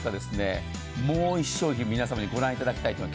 もう１商品、皆さんご覧いただきたいと思います。